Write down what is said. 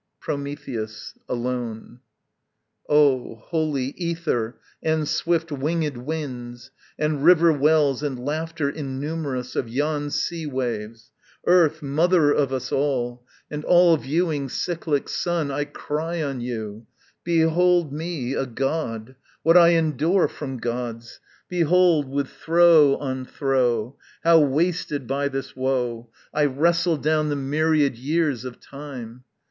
Prometheus (alone). O holy Æther, and swift wingèd Winds, And River wells, and laughter innumerous Of yon sea waves! Earth, mother of us all, And all viewing cyclic Sun, I cry on you, Behold me, a god, what I endure from gods! Behold, with throe on throe, How, wasted by this woe, I wrestle down the myriad years of time!